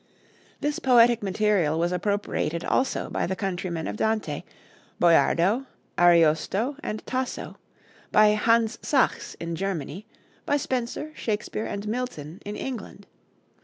This poetic material was appropriated also by the countrymen of Dante, Boiardo, Ariosto, and Tasso, by Hans Sachs in Germany, by Spenser, Shakespeare, and Milton in England.